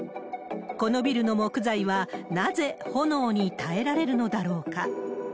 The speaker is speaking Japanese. このビルの木材は、なぜ炎に耐えられるのだろうか。